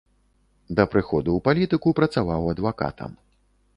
Да прыходу ў палітыку працаваў адвакатам.